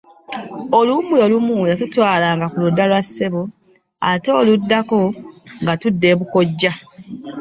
Oluwummula olumu, yatutwalanga ku ludda lwa ssebo ete oluddako nga tudda e bukojja